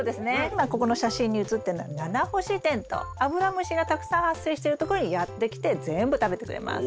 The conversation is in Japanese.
今ここの写真に写ってるのはアブラムシがたくさん発生してるところにやって来て全部食べてくれます。